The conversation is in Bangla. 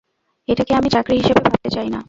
এটাকে আমি চাকরি হিসাবে ভাবতে চাই না।